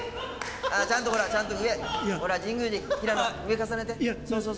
ちゃんとほら、ちゃんと上、ほら、神宮寺、平野、上、重ねて、そうそう。